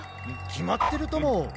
きまってるとも。